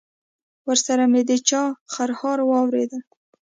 ورسره مې د چا خرهار واورېدل.